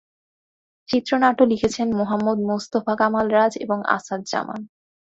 চিত্রনাট্য লিখেছেন মুহাম্মদ মোস্তফা কামাল রাজ এবং আসাদ জামান।